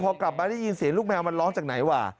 พอกลับมาได้ยินเสียงลูกแมวมันร้องจากไหนว่ะ